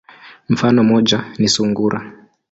Mfano moja ni sungura.